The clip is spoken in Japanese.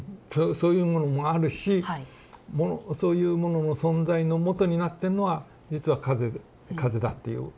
そういうものもあるしそういうものの存在のもとになってんのは実は風だっていう。